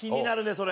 それ。